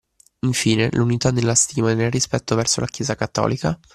Infine l’unità nella stima e nel rispetto verso la chiesa cattolica